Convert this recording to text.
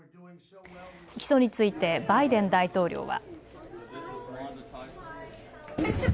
起訴についてバイデン大統領は。